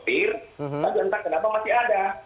tapi entah kenapa masih ada